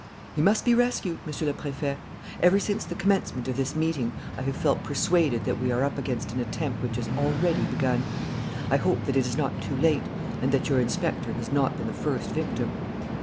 "He must be rescued, Monsieur le Préfet. Ever since the commencement of this meeting I have felt persuaded that we are up against an attempt which has already begun. I hope that it is not too late and that your inspector has not been the first victim."